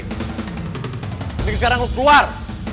mending sekarang lu keluar